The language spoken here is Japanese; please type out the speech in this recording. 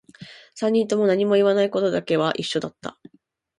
三人とも何も言わないことだけは一緒だった